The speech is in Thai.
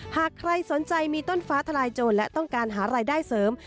หากใครสนใจมีต้นฟ้าทลายโจรและต้องการหารายได้เสริม